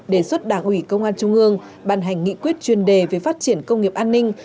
đề xuất đảng ủy công an trung ương bàn hành nghị quyết chuyên đề về phát triển công nghiệp an ninh